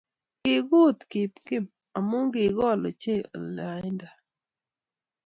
Kiguut kip Kim, amu kigool ochei lainda